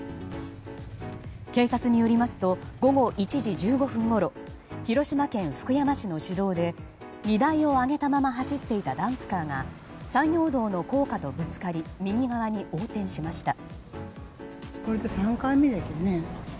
警察によりますと午後１時１５分ごろ広島県福山市の市道で荷台を上げたまま走っていたダンプカーが山陽道の高架とぶつかり右側に横転しました。